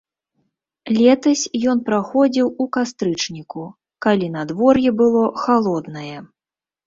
Летась ён праходзіў у кастрычніку, калі надвор'е было халоднае.